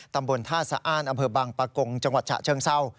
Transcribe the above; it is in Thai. ตำบลธาษฌาอารอเมอร์บั้งประกงท์จังหวัดฉะเชิงเศา